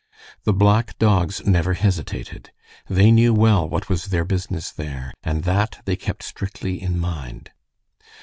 The black dogs never hesitated. They knew well what was their business there, and that they kept strictly in mind.